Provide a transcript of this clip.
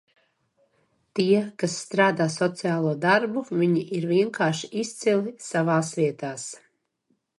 Tie, kas strādā sociālo darbu, viņi ir vienkārši izcili savās vietās!